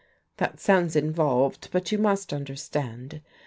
That sounds involved, but you must understand.